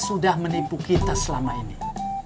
utama kas hetanya